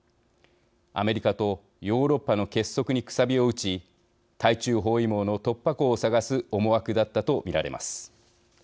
アメリカとヨーロッパの結束にくさびを打ち対中包囲網の突破口を探す思惑だったと見られます。